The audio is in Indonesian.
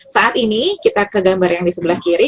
saat ini kita ke gambar yang di sebelah kiri